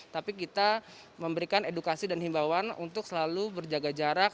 tapi kita memberikan edukasi dan himbawan untuk selalu berjaga jarak